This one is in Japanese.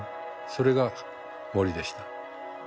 それが森でした。